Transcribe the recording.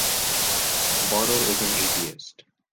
Bartle is an atheist.